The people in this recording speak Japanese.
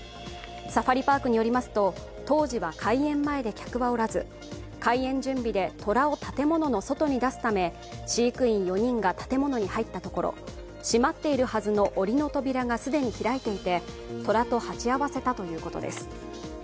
サファリパークによりますと当時は開園前で客はおらず開園準備で虎を建物の外に出すため飼育員４人が建物に入ったところ閉まっているはずのおりの扉が既に開いていて虎と鉢合わせたということです。